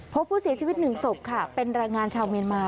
พบผู้เสียชีวิต๑ศพค่ะเป็นแรงงานชาวเมียนมา